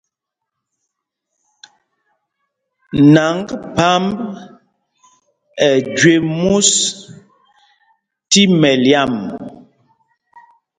Nǎŋgphǎmb ɛ jüé mūs tí mɛlyǎm.